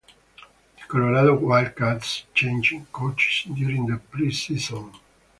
The Colorado Wildcats changed coaches during the preseason.